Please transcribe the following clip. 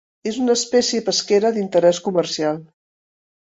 És una espècie pesquera d'interès comercial.